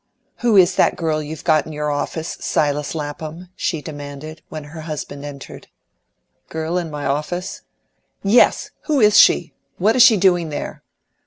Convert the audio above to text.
"Who is that girl you've got in your office, Silas Lapham?" she demanded, when her husband entered. "Girl in my office?" "Yes! Who is she? What is she doing there?"